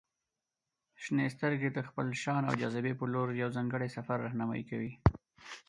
• شنې سترګې د خپل شان او جاذبې په لور یو ځانګړی سفر رهنمائي کوي.